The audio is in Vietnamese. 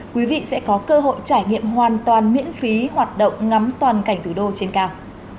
quý vị sẽ có cơ hội trải nghiệm hoàn toàn miễn phí hoạt động ngắm toàn cảnh thủ đô trên cao